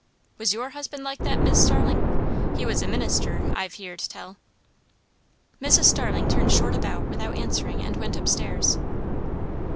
Was your husband like that, Mis' Starling? He was a minister, I've heerd tell." Mrs. Starling turned short about without answering and went up stairs.